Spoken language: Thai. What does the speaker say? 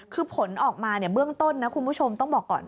คือผลออกมาเบื้องต้นนะคุณผู้ชมต้องบอกก่อน